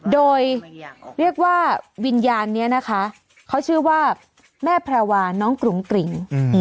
โดยเรียกว่าวิญญาณนี้นะคะเขาชื่อว่าแม่แพรวาน้องกรุงกริ่ง